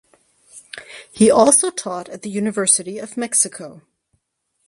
He also taught at the University of Mexico.